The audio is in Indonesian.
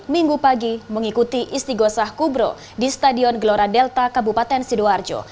minggu pagi mengikuti istigosah kubro di stadion gelora delta kabupaten sidoarjo